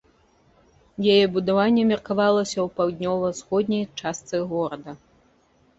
Яе будаванне меркавалася ў паўднёва-ўсходняй частцы горада.